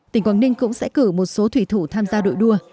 tỉnh quảng ninh cũng sẽ cử một số thủy thủ tham gia đội đua